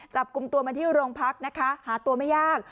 จับกลุ่มตัวมาที่โรงพักนะคะหาตัวไม่ยาก